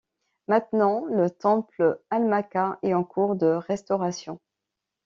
Maintenant le Temple Almaqah est en cours de restauration.